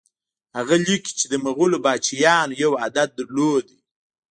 هغه لیکي چې د مغولو پاچایانو یو عادت درلود.